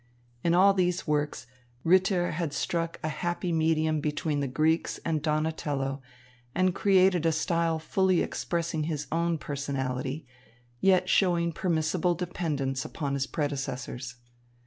In all these works, Ritter had struck a happy medium between the Greeks and Donatello and created a style fully expressing his own personality, yet showing permissible dependence upon his predecessors.